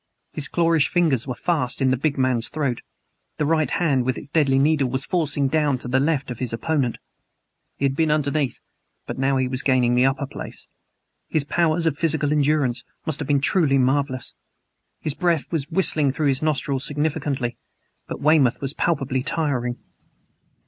His clawish fingers were fast in the big man's throat; the right hand with its deadly needle was forcing down the left of his opponent. He had been underneath, but now he was gaining the upper place. His powers of physical endurance must have been truly marvelous. His breath was whistling through his nostrils significantly, but Weymouth was palpably tiring.